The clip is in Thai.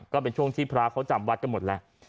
ก็เป็นช่วงที่พระเขาจำวัดกันหมดแล้ว